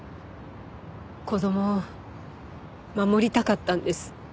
子供を守りたかったんです。